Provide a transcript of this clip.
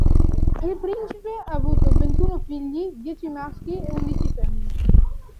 Il principe ha avuto ventuno figli, dieci maschi e undici femmine.